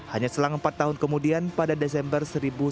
hanya selang empat tahun kemudian pada desember seribu sembilan ratus empat puluh